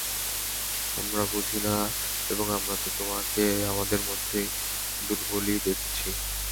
আমরা বুঝি না এবং আমরা তো তোমাকে আমাদের মধ্যে দুর্বলই দেখছি।